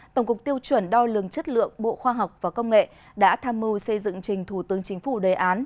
tổng cục tiêu chuẩn đo lường chất lượng bộ khoa học và công nghệ đã tham mưu xây dựng trình thủ tướng chính phủ đề án